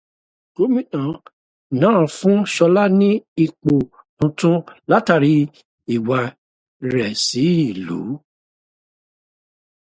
Gómìnà náà fún Ṣọlá ní ipò tuntun látàrí ìwà rẹ̀ sí ìlú.